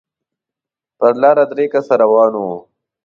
پر لاره درې کسه روان وو.